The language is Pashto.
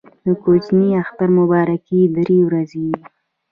د کوچني اختر مبارکي درې ورځې وي.